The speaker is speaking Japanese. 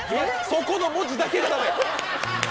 そこの文字だけがダメ。